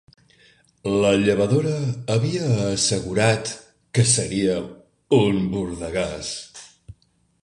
La llevadora havia assegurat que seria un bordegàs.